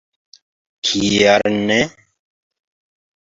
Kial ne?!